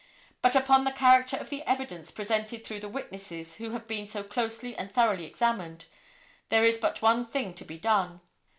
But upon the character of the evidence presented through the witnesses who have been so closely and thoroughly examined, there is but one thing to be done.